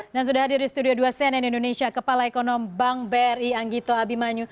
nah sudah hadir di studio dua cnn indonesia kepala ekonom bank bri anggito abimanyu